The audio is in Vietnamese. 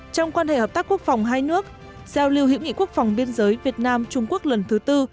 trong quan hệ hợp tác quốc phòng hai nước giao lưu hữu nghị quốc phòng biên giới việt nam trung quốc lần thứ tư